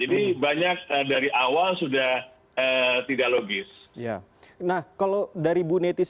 jadi banyak dari awal sudah tidak logis